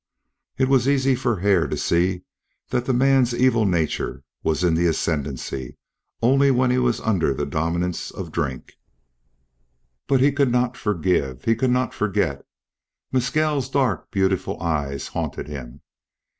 It was easy for Hare to see that the man's evil nature was in the ascendancy only when he was under the dominance of drink. But he could not forgive; he could not forget. Mescal's dark, beautiful eyes haunted him.